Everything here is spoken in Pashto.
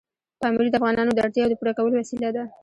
پامیر د افغانانو د اړتیاوو د پوره کولو وسیله ده.